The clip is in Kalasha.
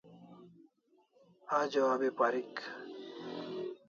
Ajo abi parik